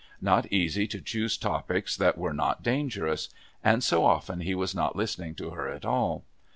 Not easy to choose topics that were not dangerous. And so often he was not listening to her at all.